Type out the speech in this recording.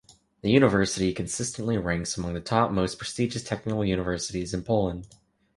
The University consistently ranks among the top most prestigious technical universities in Poland.